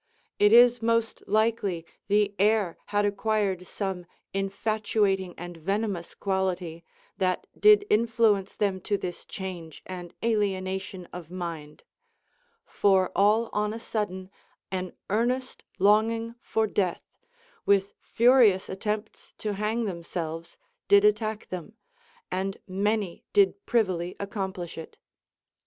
It is most likely the air had acquired some infatuating and ven omous quality, that did influence them to this change and alienation of mind ; for all on a sudden an earnest longing for death, Avith furious attempts to hang themselves, did attack them, and many did privily accomplish it.